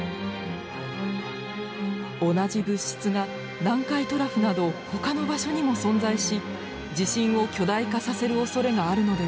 同じ物質が南海トラフなどほかの場所にも存在し地震を巨大化させるおそれがあるのではないか。